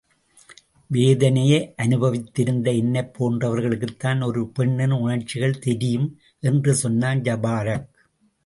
வேதனையை அனுபவித்திருந்த என்னைப் போன்றவர்களுக்குத்தான் ஒரு பெண்ணின் உணர்ச்சிகள் தெரியும்! என்று சொன்னான் ஜபாரக்.